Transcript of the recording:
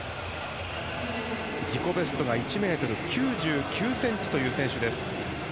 自己ベストが１ｍ９９ｃｍという選手です。